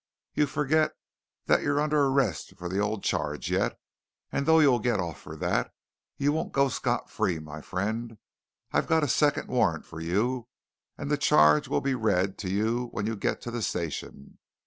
You forget that you're under arrest for the old charge yet, and though you'll get off for that, you won't go scot free, my friend! I've got a second warrant for you, and the charge'll be read to you when you get to the station.